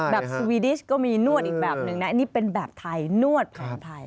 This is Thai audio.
สวีดิสก็มีนวดอีกแบบนึงนะอันนี้เป็นแบบไทยนวดแผนไทย